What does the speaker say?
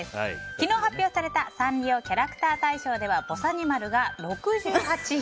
昨日発表されたサンリオキャラクター大賞ではぼさにまるが６８位。